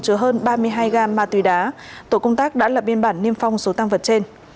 chứa hơn ba mươi hai gam ma túy đá tổ công tác đã lập biên bản niêm phong số tăng vật trên